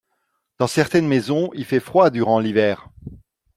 Dans certaines maisons il fait froid durant l'hiver.